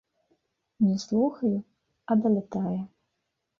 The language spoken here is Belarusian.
Не слухаю, а далятае.